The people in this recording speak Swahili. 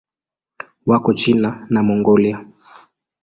Wako China na Mongolia.